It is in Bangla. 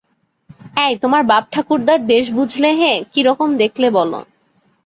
এই তোমার বাপ-ঠাকুরদার দেশ বুঝলে হে, কি রকম দেখলে বল?